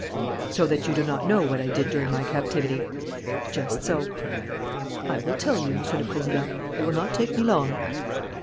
"So that you do not know what I did during my captivity?" "Just so." "I will tell you, Monsieur le Président. It will not take me long."